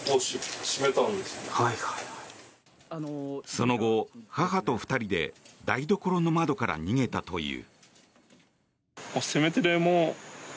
その後、母と２人で台所の窓から逃げたという。